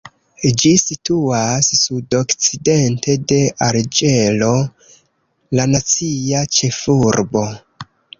Ĝi situas sudokcidente de Alĝero, la nacia ĉefurbo.